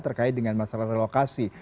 terkait dengan masalah relokasi